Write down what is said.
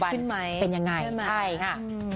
ขึ้นไหมเป็นยังไงใช่ค่ะ